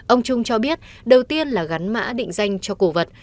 ông trung cho biết đầu tiên là gắn mã định danh cho cổ vật